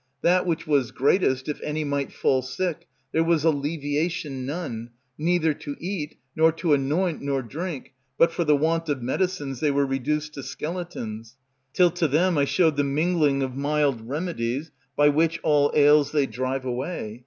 That which was greatest, if any might fall sick, There was alleviation none, neither to eat, Nor to anoint, nor drink, but for the want Of medicines they were reduced to skeletons, till to them I showed the mingling of mild remedies, By which all ails they drive away.